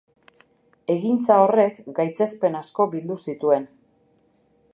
Egintza horrek gaitzespen asko bildu zituen.